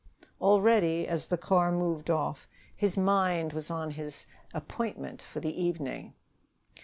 Already, as the car moved off, his mind was on his appointment for the evening.